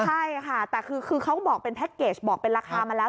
ใช่ค่ะแต่คือเขาก็บอกเป็นแพ็คเกจบอกเป็นราคามาแล้ว